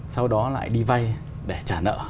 sau đó lại đi vay để trả nợ